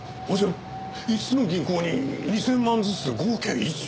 ５つの銀行に２０００万ずつで合計１億。